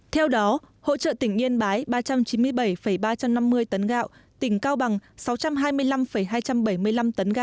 theo đó hỗ trợ tỉnh yên bái ba trăm chín mươi bảy ba trăm năm mươi tấn gạo tỉnh cao bằng sáu trăm hai mươi năm hai trăm bảy mươi năm tấn gạo